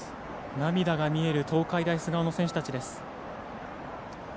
涙が見える東海大菅生の選手たちです。